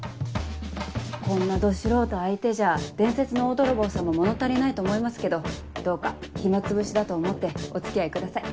こんなど素人相手じゃ伝説の大泥棒さんも物足りないと思いますけどどうか暇つぶしだと思ってお付き合いください。